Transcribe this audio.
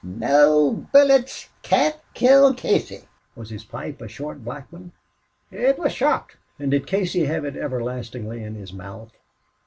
No bullets can't kill Casey." "Was his pipe a short, black one?" "It wus thot." "And did Casey have it everlastingly in his mouth?"